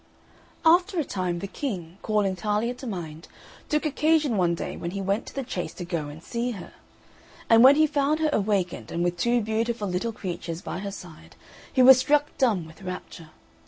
After a time the King, calling Talia to mind, took occasion one day when he went to the chase to go and see her; and when he found her awakened, and with two beautiful little creatures by her side, he was struck dumb with rapture.